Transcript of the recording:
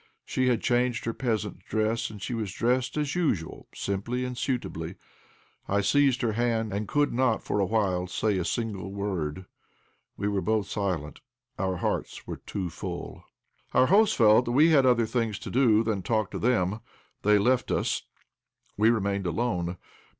She had changed her peasant dress, and was dressed as usual, simply and suitably. I seized her hand, and could not for a while say a single word. We were both silent, our hearts were too full. Our hosts felt we had other things to do than to talk to them; they left us. We remained alone.